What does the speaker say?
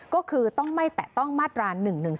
ก็คือต้องไม่แตะต้องมาตรา๑๑๒